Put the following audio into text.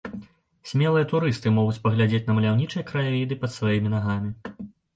Смелыя турысты могуць паглядзець на маляўнічыя краявіды пад сваімі нагамі.